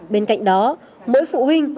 bên cạnh đó mỗi phụ huynh